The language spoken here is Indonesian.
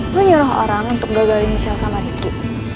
lo nyuruh orang untuk gagalin misalnya sama ricky